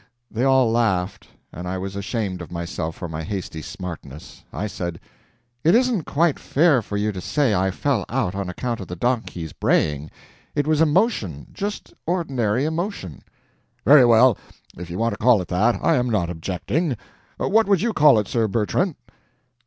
They all laughed, and I was ashamed of myself for my hasty smartness. I said: "It isn't quite fair for you to say I fell out on account of the donkey's braying. It was emotion, just ordinary emotion." "Very well, if you want to call it that, I am not objecting. What would you call it, Sir Bertrand?"